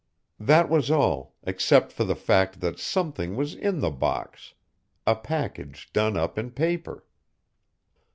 That was all, except for the fact that something was in the box a package done up in paper.